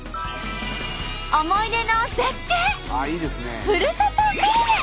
思い出の絶景ふるさとグルメ